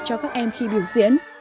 cho các em khi biểu diễn